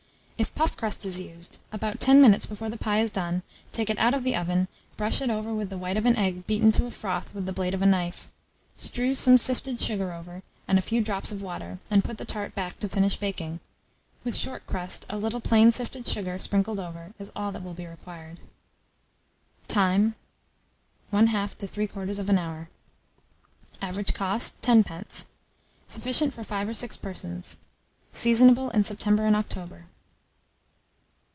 If puff crust is used, about 10 minutes before the pie is done, take it out of the oven, brush it over with the white of an egg beaten to a froth with the blade of a knife; strew some sifted sugar over, and a few drops of water, and put the tart back to finish baking: with short crust, a little plain sifted sugar, sprinkled over, is all that will be required. Time. 1/2 to 3/4 hour. Average cost, 10d. Sufficient for 5 or 6 persons. Seasonable in September and October.